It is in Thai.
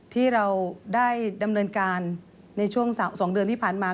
ที่เราได้ดำเนินการในช่วง๒เดือนที่ผ่านมา